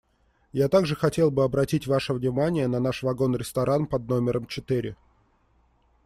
Я также хотел бы обратить ваше внимание на наш вагон-ресторан под номером четыре.